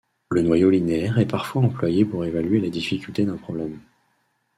Le noyau linéaire est parfois employé pour évaluer la difficulté d'un problème.